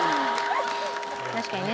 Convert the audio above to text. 確かにね。